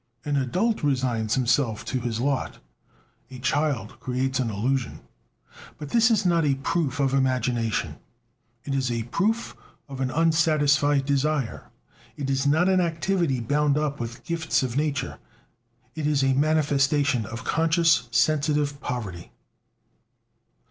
An adult resigns himself to his lot; a child creates an illusion. But this is not a proof of imagination, it is a proof of an unsatisfied desire; it is not an activity bound up with gifts of nature; it is a manifestation of conscious, sensitive poverty.